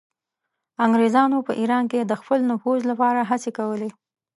انګریزانو په ایران کې د خپل نفوذ لپاره هڅې کولې.